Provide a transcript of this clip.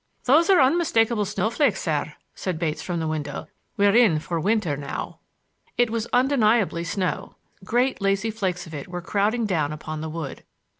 "Those are unmistakable snowflakes, sir," said Bates from the window. "We're in for winter now." It was undeniably snow; great lazy flakes of it were crowding down upon the wood.